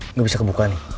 nggak bisa kebuka nih